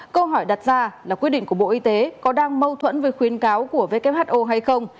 câu hỏi đặt ra là quyết định của bộ y tế có đang mâu thuẫn với khuyến cáo của who hay không